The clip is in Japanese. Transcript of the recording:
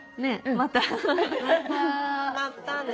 またね。